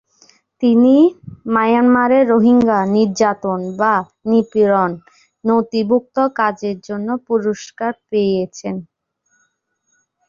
তিনি "মায়ানমারে রোহিঙ্গা নির্যাতন বা নিপীড়ন" নথিভুক্ত কাজের জন্য পুরস্কার পেয়েছেন।